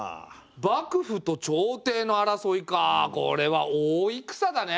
幕府と朝廷の争いかこれは大戦だね。